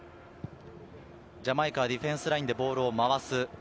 ジャマイカはディフェンスラインでボールを回す。